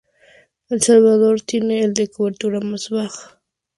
El Salvador tiene el de cobertura más baja.